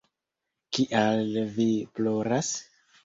Kial vi ploras?